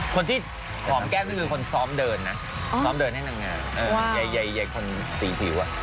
คนที่หอมแก้มนี่คือคนซ้อมเดินนะซ้อมเดินให้นางงามใหญ่คนสีผิว